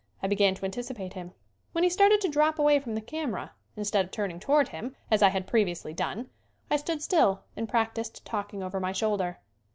I began to anticipate him. When he started to drop away from the camera, instead of turning toward him, as I had previously done, I stood still and practiced talking over my shoulder.